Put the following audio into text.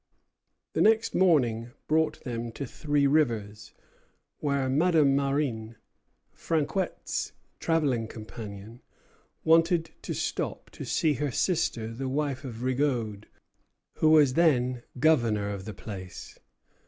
The next morning brought them to Three Rivers, where Madame Marin, Franquet's travelling companion, wanted to stop to see her sister, the wife of Rigaud, who was then governor of the place.